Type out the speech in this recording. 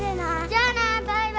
じゃあなバイバイ。